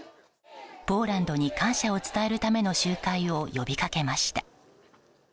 ポーランドに感謝を伝えるための集会を呼びかけました。